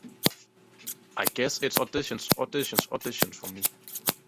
I guess it's auditions, auditions, auditions for me.